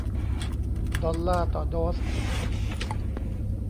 ดอลลาร์ต่อโดส